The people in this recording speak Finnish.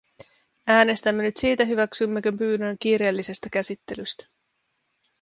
Äänestämme nyt siitä, hyväksymmekö pyynnön kiireellisestä käsittelystä.